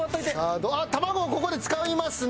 あっ卵をここで使いますね。